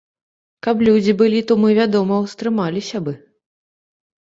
Каб людзі былі, то мы, вядома, устрымаліся бы.